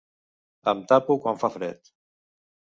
Em tapo quan fa fred.